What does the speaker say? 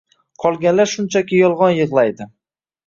Qolganlar shunchaki yolgon yiglaydi